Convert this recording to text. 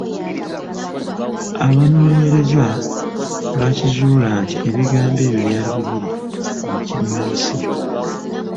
Abanoonyereza baakizuula nti ebigambo ebyo byali bibiri; “wa n'ekinnansi.”